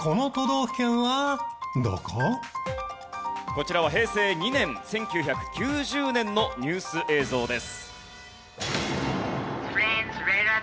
こちらは平成２年１９９０年のニュース映像です。